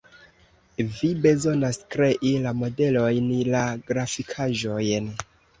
Vi bezonas krei la modelojn, la grafikaĵojn